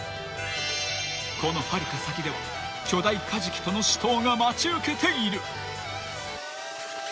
［このはるか先では巨大カジキとの死闘が待ち受けている］